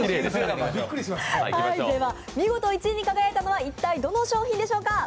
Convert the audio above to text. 見事１位に輝いたのは、一体どの商品でしょうか？